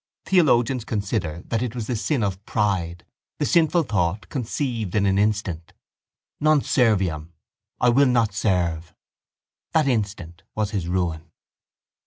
Theologians consider that it was the sin of pride, the sinful thought conceived in an instant: non serviam: I will not serve. That instant was his ruin.